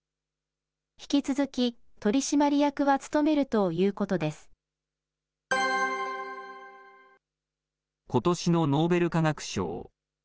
引き続き取締役は務めるというこことしのノーベル化学賞。